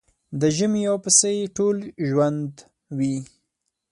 د ژمي يو پسه يې ټول ژوند وي.